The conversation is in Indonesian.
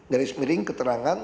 dari semiring keterangan